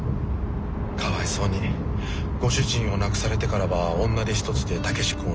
かわいそうにご主人を亡くされてからは女手一つで武志君を育てて。